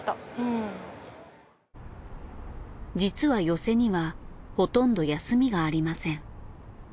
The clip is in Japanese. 実は寄席にはほとんど休みがありません。